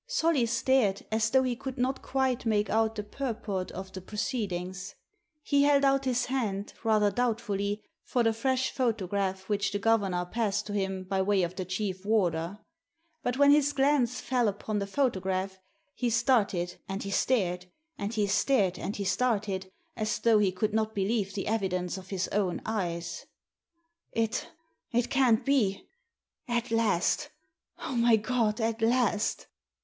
Solly stared, as though he could not quite make out the purport of the proceedings. He held out his hand, rather doubtfully, for the fresh photograph which the governor passed to him by way of the chief warder. But when his glance fell upon the Digitized by VjOOQIC 38 THE SEEN AND THE UNSEEN photograph he started and he stared, and he stared and he started, as though he could not believe the evidence of his own eyes. « It_it can't be ! At last ! oh, my God, at last